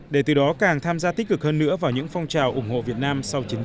để từ đó càng tham gia tích cực hơn nữa vào những phong trào ủng hộ việt nam